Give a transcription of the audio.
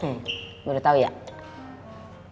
pak mir tau gak bisa ngeliat